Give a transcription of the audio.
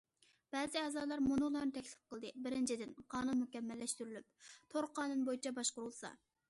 بەزى ئەزالار مۇنۇلارنى تەكلىپ قىلدى: بىرىنچىدىن، قانۇن مۇكەممەللەشتۈرۈلۈپ،« تور قانۇن بويىچە باشقۇرۇلسا».